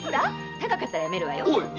高かったらやめるわよ。